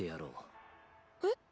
えっ？